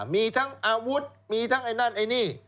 มีทั้งอาวุธมีทั้งไอ้นั่นไอ้นี่